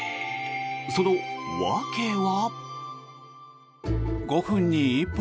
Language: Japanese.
その訳は。